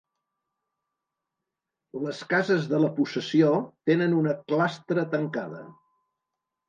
Les cases de la possessió tenen una clastra tancada.